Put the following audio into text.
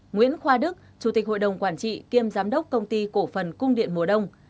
nguyễn khoa đức chủ tịch hội đồng quản trị kiêm giám đốc công ty cổ phần cung điện mùa đông